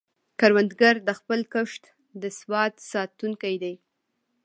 کروندګر د خپل کښت د سواد ساتونکی دی